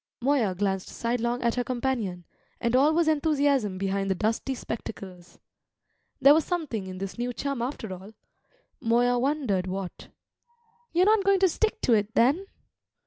Moya glanced sidelong at her companion, and all was enthusiasm behind the dusty spectacles. There was something in this new chum after all. Moya wondered what. "You're not going to stick to it, then?"